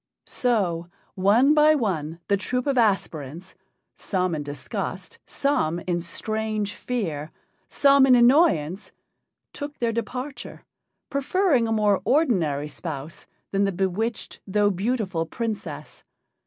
So, one by one, the troupe of aspirants some in disgust, some in strange fear, some in annoyance took their departure, preferring a more ordinary spouse than the bewitched though beautiful Princess.